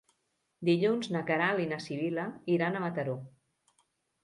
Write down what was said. Dilluns na Queralt i na Sibil·la iran a Mataró.